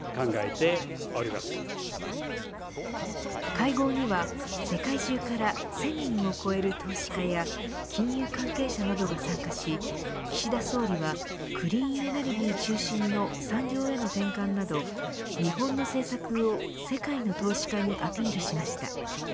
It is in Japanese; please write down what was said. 会合には、世界中から１０００人を超える投資家や金融関係者などが参加し岸田総理はクリーンエネルギー中心の産業への転換など日本の政策を世界の投資家にアピールしました。